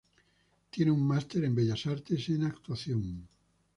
Tiene un Máster en Bellas Artes en actuación.